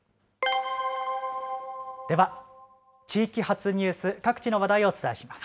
では地域発ニュース各地の話題をお伝えします。